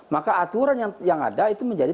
maka aturan yang ada itu menjadi